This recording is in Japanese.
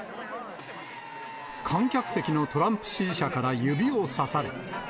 観客席のトランプ支持者から指をさされ。